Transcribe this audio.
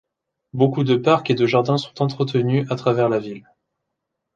Beaucoup de parcs et de jardins sont entretenus à travers la ville.